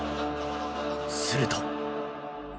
すると